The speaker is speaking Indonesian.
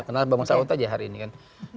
kenal bang sa'ud aja hari ini kan